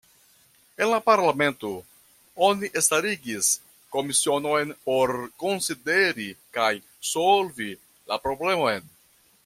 En la parlamento oni starigis komisionon por konsideri kaj solvi la problemon.